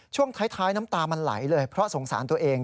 ช่วงท้ายน้ำตามันไหลเลยเพราะสงสารตัวเอง